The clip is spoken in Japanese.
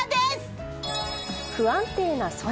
不安定な空。